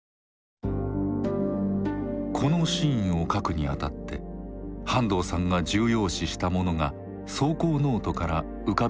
このシーンを書くにあたって半藤さんが重要視したものが草稿ノートから浮かび上がってきました。